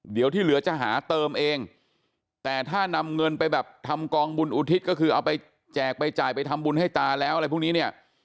เดี๋ยวที่เหลือจะหาเติมเองแต่ถ้านำเงินไปแบบทำกองบุญอุทิศก็คือเอาไปแจกไปจ่ายไปทำบุญให้ตาแล้วอะไรพวกนี้เนี่ย